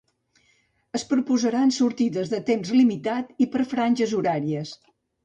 Es proposaran sortides de temps limitat i per franges horàries.